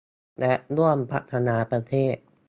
และร่วมพัฒนาประเทศ